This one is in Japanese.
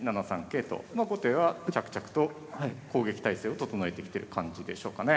まあ後手は着々と攻撃態勢を整えてきてる感じでしょうかね。